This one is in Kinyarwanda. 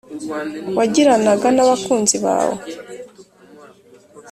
wagiranaga n’abakunzi bawe